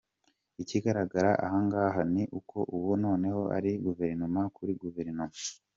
Ikigaragara ahangaha, ni uko ubu noneho ari Guverinoma kuri Guverinoma.